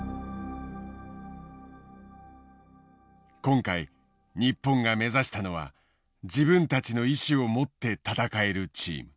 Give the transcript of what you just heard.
今回日本が目指したのは自分たちの意思を持って戦えるチーム。